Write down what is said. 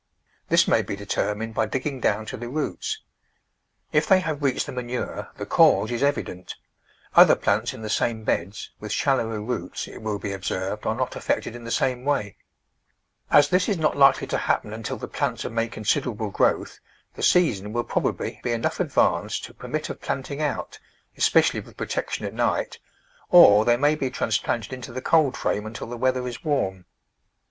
This may be determined by digging down to the roots. . If they have reached the manure the cause is evident; other plants in the same beds, with shallower roots, it will be observed, are not Digitized by Google 34 The Flower Garden [Chapter affected in the same way. As this is not likely to hap pen until the plants have made considerable growth the season will probably be enough advanced to per mit of planting out, especially with protection at night, or they may be transplanted into the cold frame until the weather is warm.